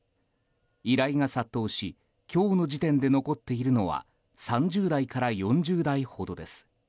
依頼が殺到し今日の時点で残っているのは３０台から４０台ほどです。